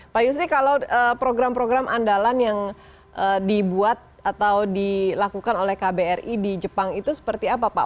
pak yusri kalau program program andalan yang dibuat atau dilakukan oleh kbri di jepang itu seperti apa pak